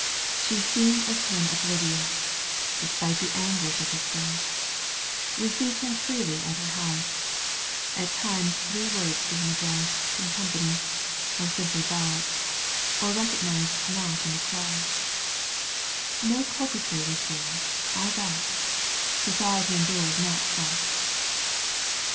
She seemed of him oblivious, \ Despite the anguish of his breast, Eeceived him freely at her house. At times three words to him addressed Digitized by CjOOQ 1С CANTO vnL EUGENE ON^GUINE. 239 In company, or simply bowed, Or recognized not in the crowd. No coquetry was there, I vouch — Society endures not such